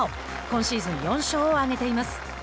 今シーズン４勝を挙げています。